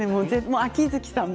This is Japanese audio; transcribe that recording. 秋月さんも。